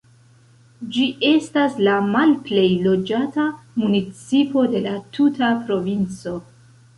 Ĝi estas la malplej loĝata municipo de la tuta provinco.